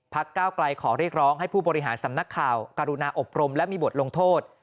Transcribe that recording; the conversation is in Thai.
ก้าวไกลขอเรียกร้องให้ผู้บริหารสำนักข่าวกรุณาอบรมและมีบทลงโทษ